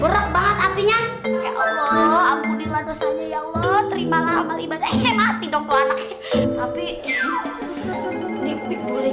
berat banget artinya ya allah ampunilah dosanya ya allah terimalah amal ibadah mati dong anak tapi